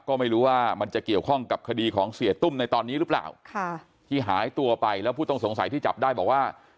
ก็ไม่รู้ว่ามันจะเกี่ยวข้องกับคดีของเสียตุ้มในตอนนี้หรือเปล่าค่ะที่หายตัวไปแล้วผู้ต้องสงสัยที่จับได้บอกว่า